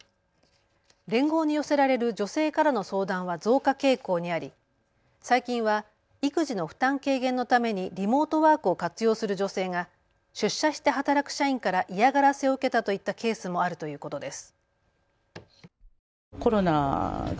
連合に寄せられる女性からの相談は増加傾向にあり最近は育児の負担軽減のためにリモートワークを活用する女性が出社して働く社員から嫌がらせを受けたといったケースもあるということです。